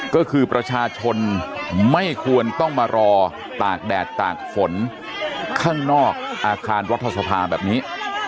ก็คือประชาชนไม่ควรต้องมารอตากแดดตากฝนข้างนอกอาคารรัฐสภาแบบนี้